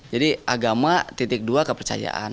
jadi agama titik dua kepercayaan